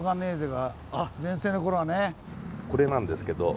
これなんですけど。